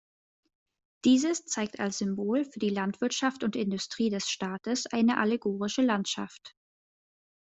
Dieses zeigt als Symbol für die Landwirtschaft und Industrie des Staates eine allegorische Landschaft.